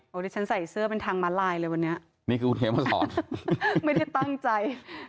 โหดิฉันใส่เสื้อเป็นทางม้าลายเลยวันนี้นี่คือเฮมสอนไม่ได้ตั้งใจ